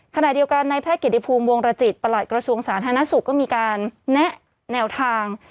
ขณะเดียวกันในแพทย์เกียรติภูมิวงรจิตประหลัดกระทรวงสาธารณสุขก็มีการแนะแนวทาง